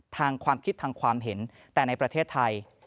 ทางความคิดทางความเห็นแต่ในประเทศไทย